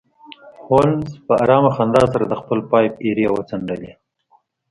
هولمز په ارامه خندا سره د خپل پایپ ایرې وڅنډلې